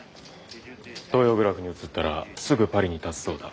東洋グラフに移ったらすぐパリにたつそうだ。